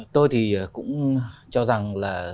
tôi thì cũng cho rằng là